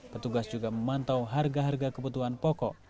petugas juga memantau harga harga kebutuhan pokok